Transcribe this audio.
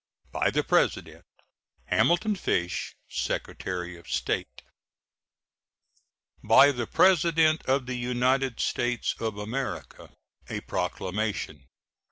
By the President: HAMILTON FISH, Secretary of State. BY THE PRESIDENT OF THE UNITED STATES OF AMERICA. A PROCLAMATION.